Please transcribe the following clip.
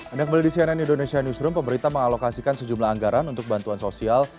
anda kembali di cnn indonesia newsroom pemerintah mengalokasikan sejumlah anggaran untuk bantuan sosial